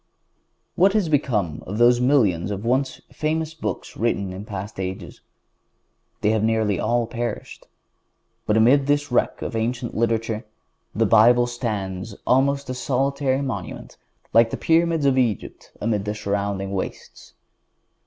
What has become of those millions of once famous books written in past ages? They have nearly all perished. But amid this wreck of ancient literature, the Bible stands almost a solitary monument like the Pyramids of Egypt amid the surrounding wastes.